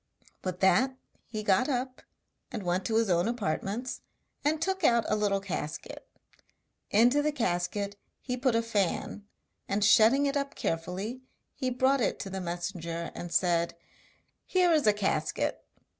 With that he got up and went to his own apartments and took out a little casket. Into the casket he put a fan, and shutting it up carefully he brought it to the messenger and said: 'Here is a casket.